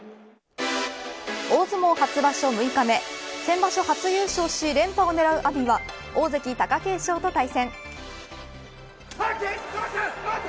大相撲初場所６日目先場所初優勝し連覇を狙う阿炎は大関、貴景勝と対戦。